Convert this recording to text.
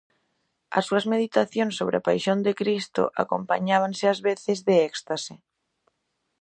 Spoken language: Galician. As súas meditacións sobre a Paixón de Cristo acompañábanse ás veces de éxtase.